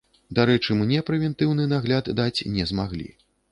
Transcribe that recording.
Дарэчы, мне прэвентыўны нагляд даць не змаглі.